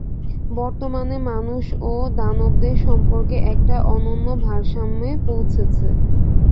বর্তমানে, মানুষ ও দানবদের সম্পর্ক একটা অনন্য ভারসাম্যে পৌঁছেছে।